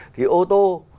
thì ô tô